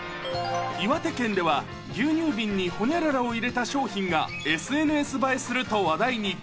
岩手県では、牛乳瓶にホニャララを入れた商品が、ＳＮＳ映えすると話題に。